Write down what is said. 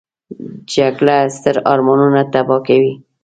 جګړه ستر ارمانونه تباه کوي